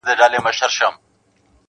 د ښکاریانو په وطن کي سمه شپه له کومه راړو-